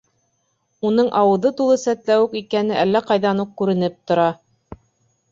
Уның ауыҙы тулы сәтләүек икәне әллә ҡайҙан уҡ күренеп тора.